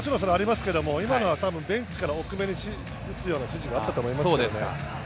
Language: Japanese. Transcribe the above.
もちろんありますけど今のはベンチから奥めに打つような指示があったと思います。